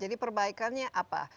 jadi perbaikannya apa